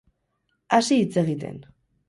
Hasi hitz egiten.